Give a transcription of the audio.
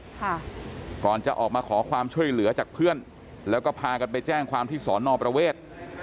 ค่ะก่อนจะออกมาขอความช่วยเหลือจากเพื่อนแล้วก็พากันไปแจ้งความที่สอนอประเวท